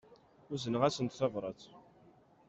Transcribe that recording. Uzneɣ-asent tabrat.